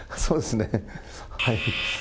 そうですね、はい。